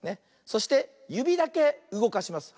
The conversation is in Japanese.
そしてゆびだけうごかします。